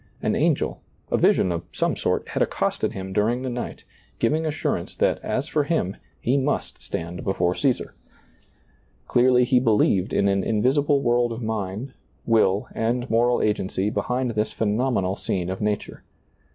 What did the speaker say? An angel, a vision of some sort, had accosted him during the night, giving assurance that, as for him, he must stand before Caesar. Clearly he believed in an invisible world of mind, will and moral agency behind this phenomenal scene of nature.